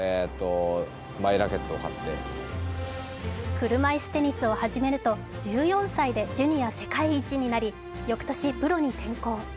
車いすテニスを始めると１４歳でジュニア世界一になり翌年プロに転向。